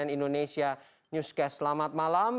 di cnn indonesia reuniones cas selamat malam